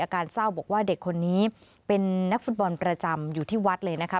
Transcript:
การเศร้าบอกว่าเด็กคนนี้เป็นนักฟุตบอลประจำอยู่ที่วัดเลยนะคะ